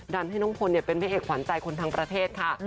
ดันให้น้องพลเป็นเป็นเอกหวานใจคนทางประเทศค่ะ